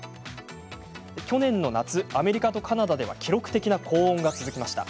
去年の夏、アメリカとカナダでは記録的な高温が続きました。